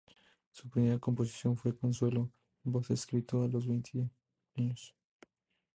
Su primera composición fue "Consuelo", un vals escrito a los veinte años.